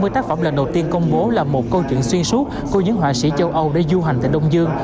năm mươi tác phẩm lần đầu tiên công bố là một câu chuyện xuyên suốt của những họa sĩ châu âu để du hành tại đông dương